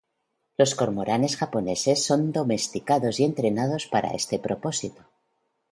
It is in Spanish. Los cormoranes japoneses son domesticados y entrenados para este propósito.